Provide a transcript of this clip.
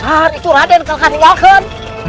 itu raden kalkan wakan